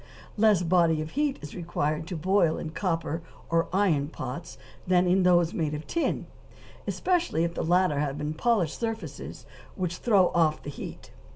Less body of heat is required to boil in copper or iron pots, than in those made of tin, especially if the latter have polished surfaces which throw off the heat.